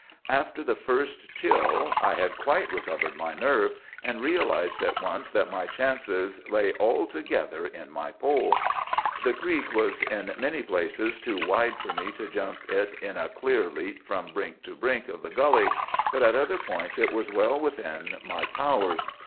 "After the first chill I had quite recovered my nerve, and realized at once that my chances lay altogether in my pole. "The creek was in many places too wide for me to jump it in a clear leap from brink to brink of the gully, but at other points it was well within my powers.